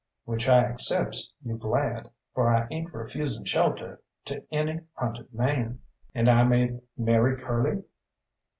"Which I accepts you glad, for I ain't refusing shelter to any hunted man." "And I may marry Curly?"